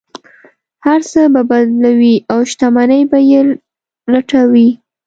هر څه به بدلوي او شتمنۍ به یې لوټوي.